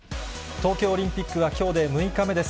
東京オリンピックはきょうで６日目です。